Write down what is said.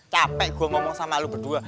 capek gue ngomong sama lo berdua